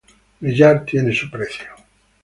Brillar tiene su precio!